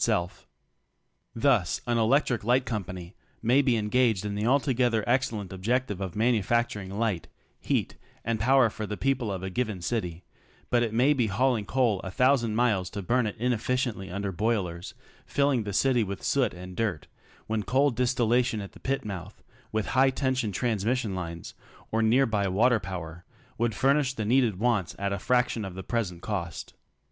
itselL Thus an elec tric light company may be engaged in the altogether excellent objective of manufacturing light, heat and power for the people of a given city, but it may be hauling coal a thousand miles to burn it inefficiently under boilers, filling the city with soot and dirt, when coal distillation at the pit mouth with high tension transmission lines, or near by water power, would furnish the needed wants at a fraction of the present cost.